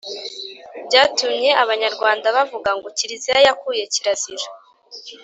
byatumye abanyarwanda bavuga ngo kiriziya yakuye kirazira